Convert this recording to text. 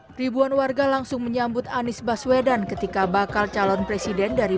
hai ribuan warga langsung menyambut anies baswedan ketika bakal calon presiden dari